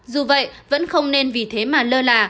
dù vậy vẫn không nên vì thế mà lơ là